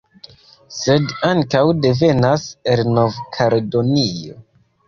Sed ankaŭ devenas el Nov-Kaledonio